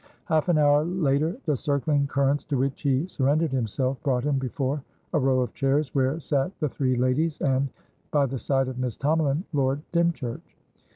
Half an hour later, the circling currents to which he surrendered himself brought him before a row of chairs, where sat the three ladies and, by the side of Miss Tomalin, Lord Dymchurch.